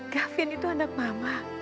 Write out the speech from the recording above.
gafin itu anak mama